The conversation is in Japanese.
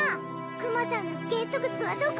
クマさんのスケート靴はどこ？